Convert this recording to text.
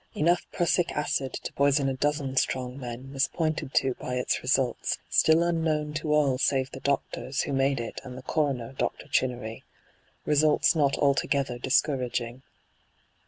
Enough prussio acid to poison a dozen strong men was pointed to by its results, still unknown to all save the doctors who made it and the coroner, Dr. Chinneiy — results not altogether discouraging.